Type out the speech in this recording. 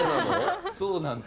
そうなんだ。